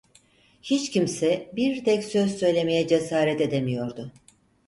Hiç kimse bir tek söz söylemeye cesaret edemiyordu.